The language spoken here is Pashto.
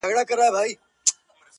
او په گوتو کي يې سپين سگريټ نيولی.